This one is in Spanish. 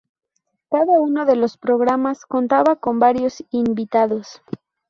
Cada uno de los programas contaba con varios invitados.